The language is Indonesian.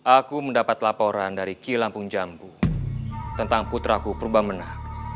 aku mendapat laporan dari ki lampung jambu tentang putraku purbamena